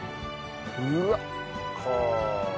うわっ！はあ。